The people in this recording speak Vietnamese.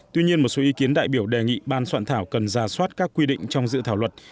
tuy nhiên một số ý kiến đại biểu đề nghị ban soạn thảo cần ra soát các quy định trong dự thảo luật